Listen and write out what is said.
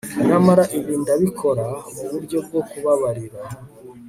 nyamara ibi ndabikora muburyo bwo kubabarira